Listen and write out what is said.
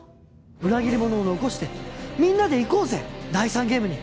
裏切り者を残してみんなで行こうぜ第３ゲームに。